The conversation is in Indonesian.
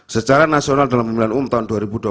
secara nasional dalam pemilihan umum tahun dua ribu dua puluh